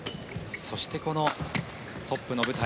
そして、このトップの舞台